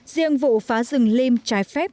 diện vụ phá rừng liêm trái phép